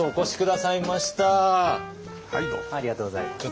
ありがとうございます。